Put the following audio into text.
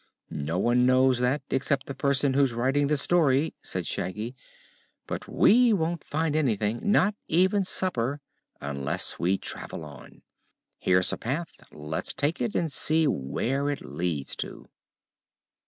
"No one knows that, except the person who's writing this story," said Shaggy. "But we won't find anything not even supper unless we travel on. Here's a path. Let's take it and see where it leads to."